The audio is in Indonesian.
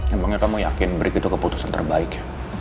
emangnya kamu yakin berik itu keputusan terbaik